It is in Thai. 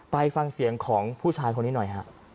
ไปฟังเสียงของผู้ชายคนนี้หน่อยฮะ